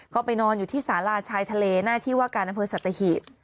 ก็ไปนอนอยู่ที่สาราชายทะเลหน้าที่ว่าการอำเภอสัตหีบ